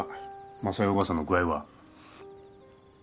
昌代おばさんの具合は。